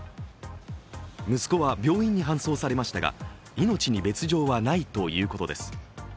息子は病院に搬送されましたが命に別状はないということです。